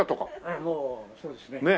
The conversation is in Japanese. もうそうですね。